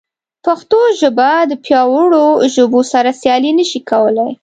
پښتو ژبه د پیاوړو ژبو سره سیالي نه شي کولی.